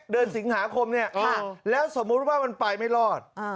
เดือนสิงหาคมเนี่ยแล้วสมมุติว่ามันไปไม่รอด